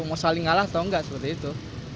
mau saling kalah atau enggak seperti itu